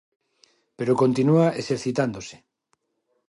Pero continúa exercitándose.